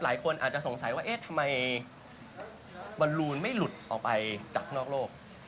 หลายคนอาจจะสงสัยว่าเอ๊ะทำไมบอลลูนไม่หลุดออกไปจากนอกโลก